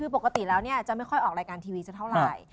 คือปกติแล้วจะไม่ค่อยออกรายการทีวีสักเท่าไหร่